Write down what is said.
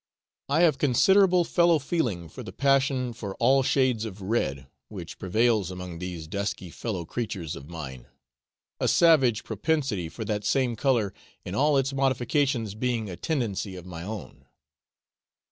I have considerable fellow feeling for the passion for all shades of red, which prevails among these dusky fellow creatures of mine a savage propensity for that same colour in all its modifications being a tendency of my own.